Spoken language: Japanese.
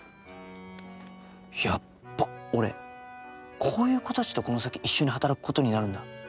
やっぱ俺こういう子たちとこの先一緒に働くことになるんだ。